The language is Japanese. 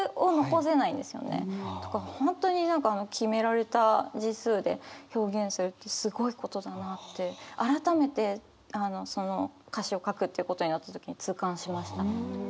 本当に何か決められた字数で表現するってすごいことだなって改めて歌詞を書くっていうことになった時に痛感しました。